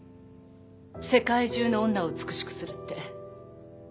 世界中の女を美しくするって。